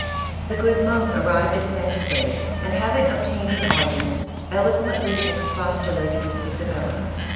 The good monk arrived at Santa F<5, and having obtained an audience, eloquently expostulated with Isabella.